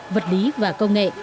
vật lý và công nghệ